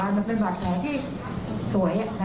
มันเป็นบาดแผลที่สวย